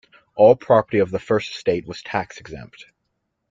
All property of the First Estate was tax exempt.